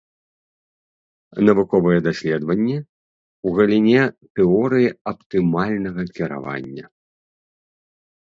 Навуковыя даследаванні ў галіне тэорыі аптымальнага кіравання.